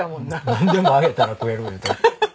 なんでも揚げたら食えるゆうて。